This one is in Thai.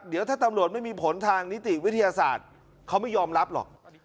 เดี๋ยวถ้าตำรวจไม่มีผลทางนิติวิทยาศาสตร์เขาไม่ยอมรับหรอก